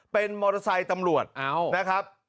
เป็นมอเตอร์ไซค์ตำรวจนะครับ